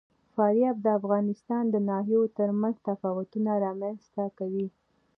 فاریاب د افغانستان د ناحیو ترمنځ تفاوتونه رامنځ ته کوي.